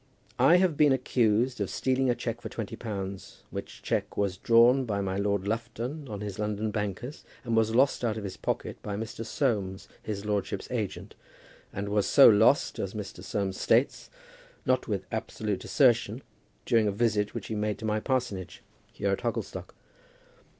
I have been accused of stealing a cheque for twenty pounds, which cheque was drawn by my Lord Lufton on his London bankers, and was lost out of his pocket by Mr. Soames, his lordship's agent, and was so lost, as Mr. Soames states, not with an absolute assertion, during a visit which he made to my parsonage here at Hogglestock.